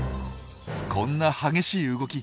こんな激しい動き